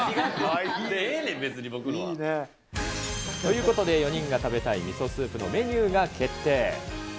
ええねん、別に僕のは。ということで、４人が食べたいミソスープのメニューが決定。